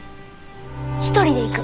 一人で行く。